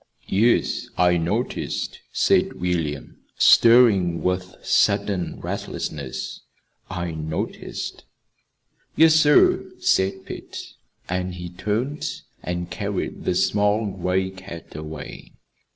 "Yes, I noticed," said William, stirring with sudden restlessness. "I noticed." "Yes, sir," said Pete. And he turned and carried the small gray cat away.